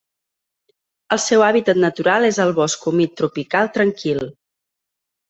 El seu hàbitat natural és el bosc humit tropical tranquil.